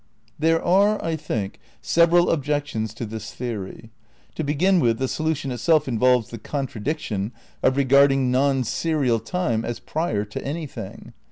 There are, I think, several objections to this theory. To begin with, the solution itself involves the contra diction of regarding non serial time as prior to any thing.